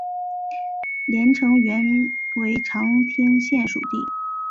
连城原为长汀县属地。